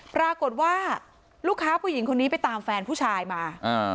ปรากฏว่าลูกค้าผู้หญิงคนนี้ไปตามแฟนผู้ชายมา